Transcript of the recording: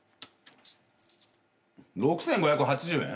６，５８０円？